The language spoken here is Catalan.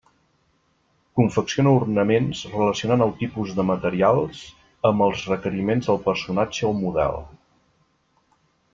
Confecciona ornaments relacionant el tipus de materials amb els requeriments del personatge o model.